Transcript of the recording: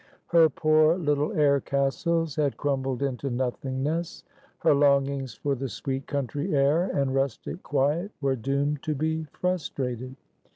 Her poor little air castles had crumbled into nothingness. Her longings for the sweet country air and rustic quiet were doomed to be frustrated.